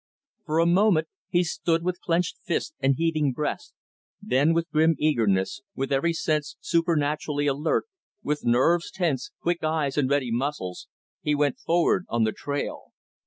For a moment he stood with clenched fists and heaving breast; then, with grim eagerness, with every sense supernaturally alert, with nerves tense, quick eyes and ready muscles, he went forward on the trail.